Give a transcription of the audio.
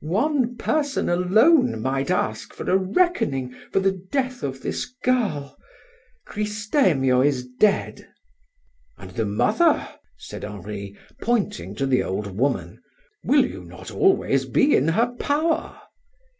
"One person alone might ask for a reckoning for the death of this girl. Cristemio is dead." "And the mother," said Henri, pointing to the old woman. "Will you not always be in her power?"